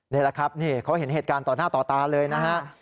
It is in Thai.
นี่แหละครับนี่เขาเห็นเหตุการณ์ต่อหน้าต่อตาเลยนะฮะ